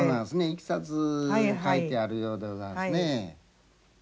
いきさつ書いてあるようでございますね。